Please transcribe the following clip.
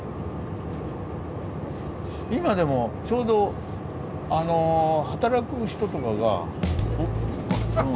今でもちょうど働く人とかが。